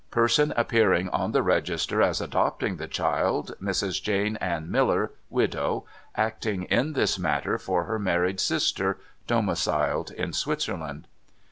Person appearing on the register, as adopting the child, Mrs. Jane Anne Miller, widow, acting in this matter for her married sister, domiciled in Switzerland."